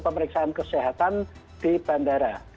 pemeriksaan kesehatan di bandara